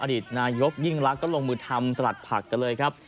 อดีตนายกยิ่งรักก็ลงมือทำสลัดผักกันเลยครับ